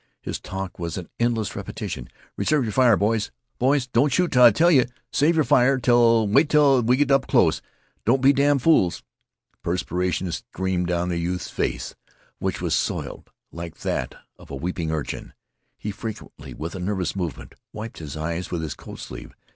His talk was an endless repetition. "Reserve your fire, boys don't shoot till I tell you save your fire wait till they get close up don't be damned fools " Perspiration streamed down the youth's face, which was soiled like that of a weeping urchin. He frequently, with a nervous movement, wiped his eyes with his coat sleeve.